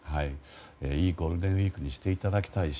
いいゴールデンウィークにしていただきたいし。